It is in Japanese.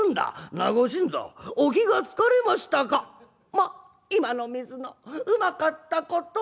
『まあ今の水のうまかったこと』。